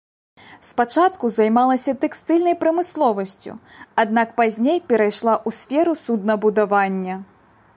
Спачатку займалася тэкстыльнай прамысловасцю, аднак пазней перайшла ў сферу суднабудавання.